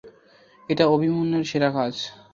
এটা অভিমন্যুর সেরা কাজ!